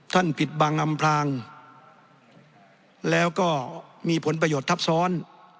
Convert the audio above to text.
ปิดบังอำพลางแล้วก็มีผลประโยชน์ทับซ้อน